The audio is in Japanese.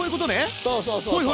そうそうそうそう。